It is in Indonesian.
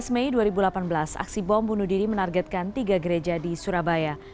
tujuh belas mei dua ribu delapan belas aksi bom bunuh diri menargetkan tiga gereja di surabaya